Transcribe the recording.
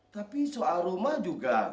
tapi soal rumah juga